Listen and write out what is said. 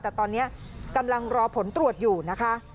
แต่ตอนนี้กำลังรอผลตรวจอยู่นะคะ